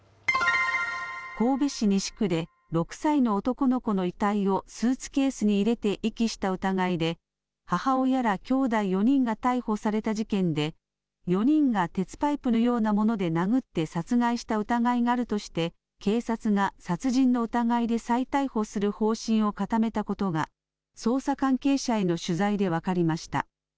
神戸市西区で６歳の男の子の遺体をスーツケースに入れて遺棄した疑いで、母親らきょうだい４人が逮捕された事件で、４人が鉄パイプのようなもので殴って殺害した疑いがあるとして、警察が殺人の疑いで再逮捕する方針を固めたことが、捜査関係者への取材で分かりました。